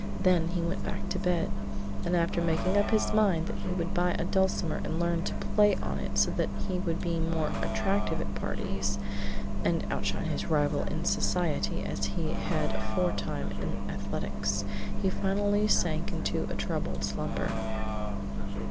Then he went back to bed, and after making up his mind that he would buy a dulcimer and learn to play on it so that he would be more attractive at parties, and outshine his rival in society as he had aforetime in athletics, he finally sank into a troubled slumber.